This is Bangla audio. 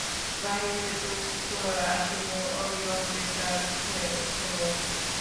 বাহির হইতে উত্তর আসিল, অবিলম্বে দ্বার খোলো।